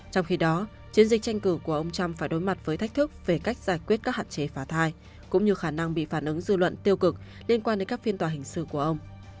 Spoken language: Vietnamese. trong khi đó chiến dịch tranh cử của ông trump phải đối mặt với thách thức về cách giải quyết các hạn chế phá thai cũng như khả năng bị phản ứng dư luận tiêu cực liên quan đến các phiên tòa hình sự của ông